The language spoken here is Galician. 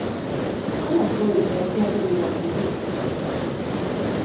Como foi e que acollida tivo?